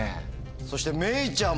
そしてめいちゃんも。